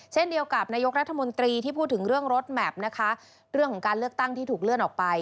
เช่นเดียวกับนายกรัฐมนตรีที่พูดถึงเรื่องรถแมพนะคะเรื่องของการเลือกตั้งที่ถูกเลื่อนออกไป